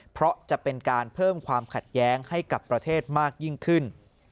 เพราะจะเป็นการเพิ่มความขัดแย้งให้กับประเทศมากยิ่งขึ้น